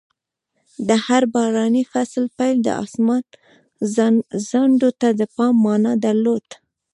د هر باراني فصل پیل د اسمان ځنډو ته د پام مانا درلود.